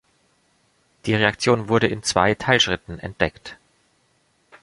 Die Reaktion wurde in zwei Teilschritten entdeckt.